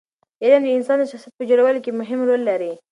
علم د انسان د شخصیت په جوړولو کې مهم رول لري.